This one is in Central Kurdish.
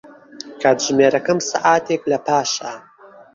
کاتژمێرەکەم سەعاتێک لەپاشە.